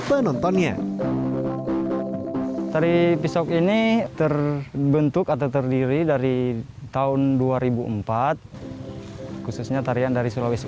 penontonnya tari pisauk ini terbentuk atau terdiri dari tahun dua ribu empat khususnya tarian dari sulawesi